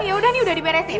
yaudah nih udah diberesin